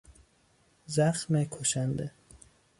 زخم کشنده